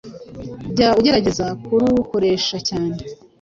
jya ugerageza kurukoresha cyane